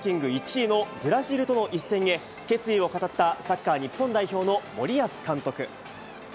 １位のブラジルとの一戦へ、決意を語ったサッカー日本代表の森保監督。